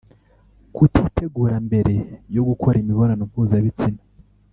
Kutitegura mbere yo gukora imibonano mpuzabitsina